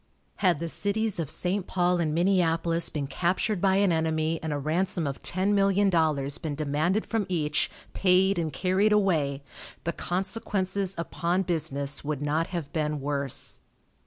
Had the cities of St. Paul and Minneapolis been captured by an enemy and a ransom of ten million dollars been demanded from each, paid and carried away, the consequences upon business would not have been worse.